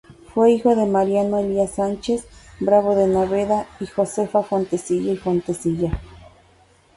Fue hijo de Mariano Elías Sánchez Bravo de Naveda y Josefa Fontecilla y Fontecilla.